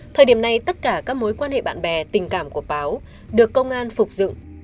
thời điểm này tất cả các mối quan hệ bạn bè tình cảm của báo được công an phục dựng